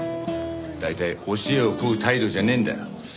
大体教えを請う態度じゃねえんだよ。